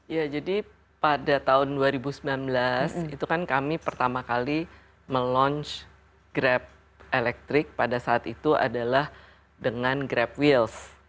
ya jadi pada tahun dua ribu sembilan belas itu kan kami pertama kali meluncur grab elektrik pada saat itu adalah dengan grab wheels